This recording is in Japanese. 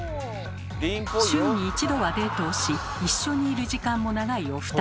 週に１度はデートをし一緒にいる時間も長いお二人。